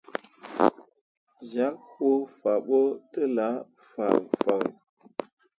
Zyak huu fah ɓo telah fãhnfãhn.